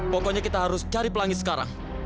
pokoknya kita harus cari pelangi sekarang